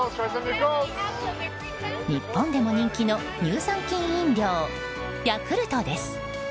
日本でも人気の乳酸菌飲料ヤクルトです。